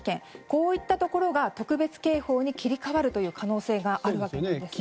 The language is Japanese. こういったところが特別警報に切り替わる可能性があるわけです。